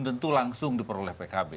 tentu langsung diperoleh pkb